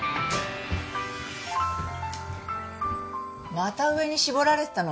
また上に絞られてたの？